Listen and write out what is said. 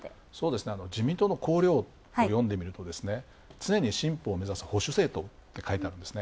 自民党の校了をよんでみると、常に進歩を目指す保守政党と書いてある。